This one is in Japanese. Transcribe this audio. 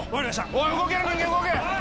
おい動ける人間動け！